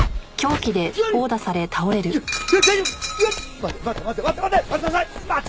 待て待て待て待て待て！